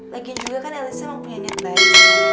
lagian juga kan elisa emang punya nyat baik